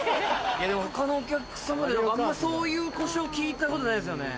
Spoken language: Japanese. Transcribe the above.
でも他のお客様であんまそういう故障聞いたことないんですよね。